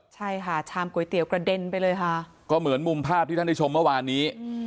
ใช่ค่ะชามก๋วยเตี๋ยวกระเด็นไปเลยค่ะก็เหมือนมุมภาพที่ท่านได้ชมเมื่อวานนี้